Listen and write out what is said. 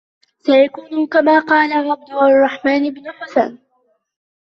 فَيَكُونُ كَمَا قَالَ عَبْدُ الرَّحْمَنِ بْنُ حَسَّانَ